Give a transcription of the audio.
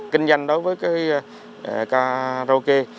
kinh doanh đối với karaoke